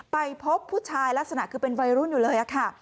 ไปพบผู้ชายลักษณะคือเป็นวัยรุ่นอยู่เลยค่ะ